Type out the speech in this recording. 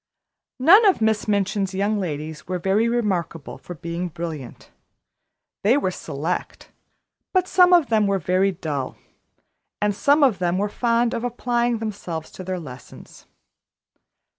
None of Miss Minchin's young ladies were very remarkable for being brilliant; they were select, but some of them were very dull, and some of them were fond of applying themselves to their lessons.